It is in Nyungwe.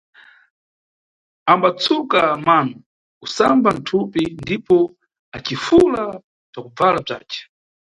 Ambatsuka mano, kusamba thupi ndipo acifula bzakubvala bzace.